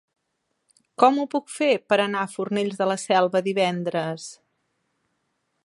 Com ho puc fer per anar a Fornells de la Selva divendres?